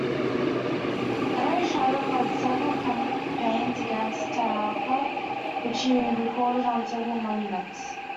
Esarhaddon led several campaigns against Taharqa, which he recorded on several monuments.